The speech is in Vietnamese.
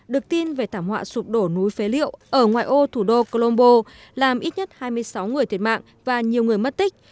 được tin về thảm họa sụp đổ núi phế liệu ở ngoài ô thủ đô colombo làm ít nhất hai mươi sáu người thiệt mạng và nhiều người mất tích